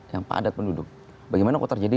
yang padat penduduk bagaimana kok terjadi